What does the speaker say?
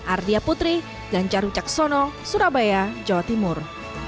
ardia putri ganjaru caksono surabaya jawa timur